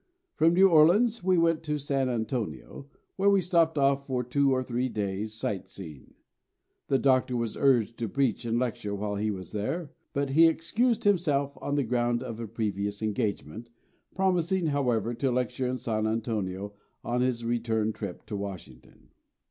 From New Orleans we went to San Antonio, where we stopped off for two or three days' sight seeing. The Doctor was urged to preach and lecture while he was there; but he excused himself on the ground of a previous engagement, promising, however, to lecture in San Antonio on his return trip to Washington.